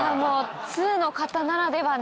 通の方ならではの。